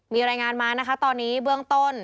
มีรายงานมานะคะตอนนี้เบื้องต้น